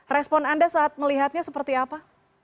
respon anda saat melihatnya seperti apa